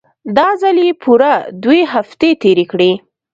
دا ځل يې پوره دوې هفتې تېرې کړې.